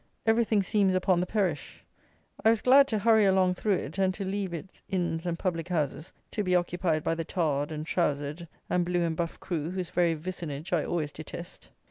Everything seems upon the perish. I was glad to hurry along through it, and to leave its inns and public houses to be occupied by the tarred, and trowsered, and blue and buff crew whose very vicinage I always detest.